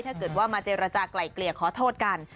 ถ้าเกิดว่ามาเจรจากลายเกลี่ยขอโทษกัน